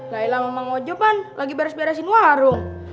lela emang wajah kan lagi beresin warung